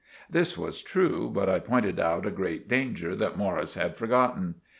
This was true, but I pointed out a grate danger that Morris had forgotten.